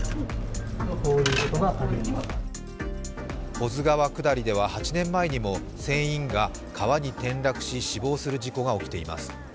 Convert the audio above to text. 保津川下りでは８年前にも船員が川に転落し死亡する事故が起きています。